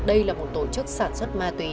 đây là một tổ chức sản xuất ma túy